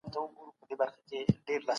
تاسي کله په ژوند کي بدلون راوستی؟